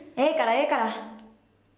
ええからええから。